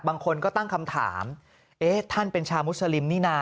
บางคนก็ตั้งคำถามเอ๊ะท่านเป็นชาวมุสลิมนี่นะ